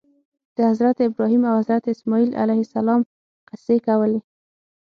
د حضرت ابراهیم او حضرت اسماعیل علیهم السلام قصې کولې.